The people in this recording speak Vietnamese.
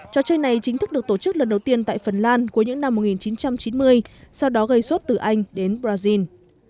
trò chơi này chính thức được tổ chức lần đầu tiên tại phần lan cuối những năm một nghìn chín trăm chín mươi sau đó gây sốt từ anh đến brazil